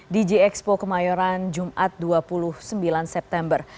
di g expo kemayoran jumat dua puluh sembilan september